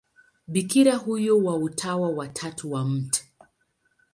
Bikira huyo wa Utawa wa Tatu wa Mt.